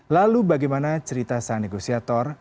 lalu bagaimana cerita sang negosiator